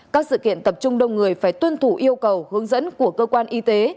các sự kiện tập trung đông người phải tuân thủ yêu cầu hướng dẫn của cơ quan y tế